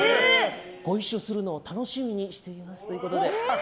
ご一緒するのを楽しみにしていますということで。